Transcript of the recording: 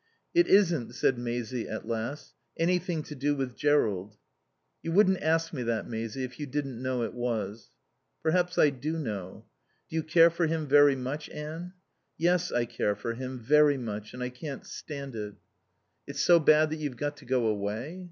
"It isn't," said Maisie at last, "anything to do with Jerrold?" "You wouldn't ask me that, Maisie, if you didn't know it was." "Perhaps I do know. Do you care for him very much, Anne?" "Yes, I care for him, very much. And I can't stand it." "It's so bad that you've got to go away?"